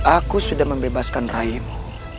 aku sudah membebaskan rayimu